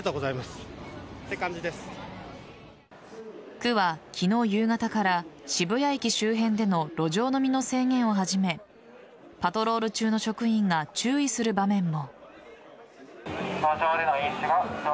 区は、昨日夕方から渋谷駅周辺での路上飲みの制限を始めパトロール中の職員が注意する場面も。